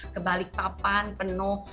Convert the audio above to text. ke balikpapan penuh